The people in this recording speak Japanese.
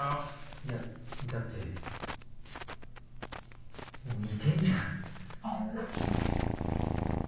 いやだって似てんじゃん。